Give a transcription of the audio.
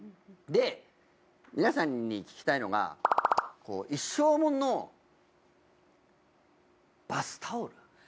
で皆さんに聞きたいのが一生もんのバスタオル。